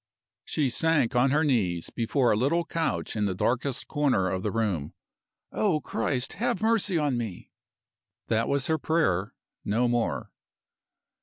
She sank on her knees before a little couch in the darkest corner of the room. "O Christ, have mercy on me!" That was her prayer no more.